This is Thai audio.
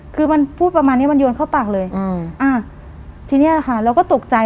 คือมันพูดประมาณเนี้ยมันโยนเข้าปากเลยอืมอ่าทีเนี้ยค่ะเราก็ตกใจ